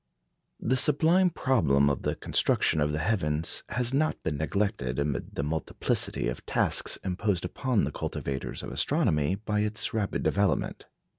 The sublime problem of the construction of the heavens has not been neglected amid the multiplicity of tasks imposed upon the cultivators of astronomy by its rapid development.